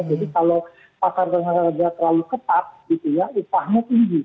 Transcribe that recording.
jadi kalau pasar dengan harga terlalu ketat itu ya upahnya tinggi